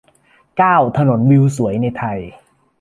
เก้า ถนนวิวสวยในไทย